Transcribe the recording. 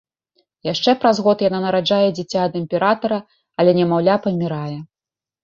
Яшчэ праз год яна нараджае дзіця ад імператара, але немаўля памірае.